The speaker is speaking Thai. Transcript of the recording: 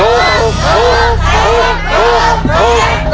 โอ้โห